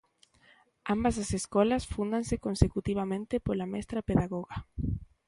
Ambas as escolas fúndanse consecutivamente pola mestra e pedagoga.